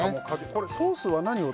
これソースは何を？